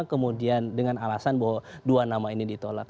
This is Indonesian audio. kemudian dengan alasan bahwa dua nama ini ditolak